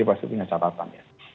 pasti punya catatan